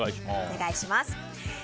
お願いします。